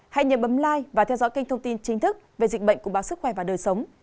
hãy nhớ bấm lai và theo dõi kênh thông tin chính thức về dịch bệnh của báo sức khỏe và đời sống